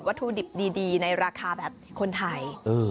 ถุดิบดีในราคาแบบคนไทย